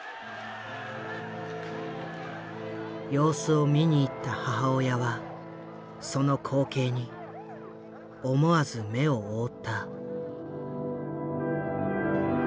様子を見に行った母親はその光景に思わず目を覆った。